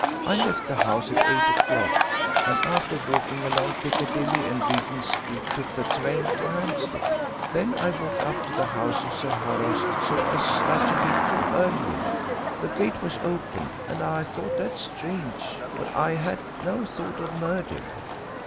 I left the house at eight o'clock, and after walking along Piccadilly and Regent Street took the train to Hampstead. Then I walked up to the house of Sir Horace so as not to be too early. The gate was open and I thought that strange, but I had no thought of murder.